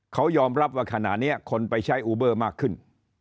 เขายอมรับว่าขณะนี้คนไปใช้อูเบอร์มากขึ้น